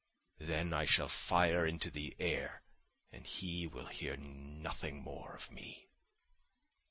Then I shall fire into the air and he will hear nothing more of me...."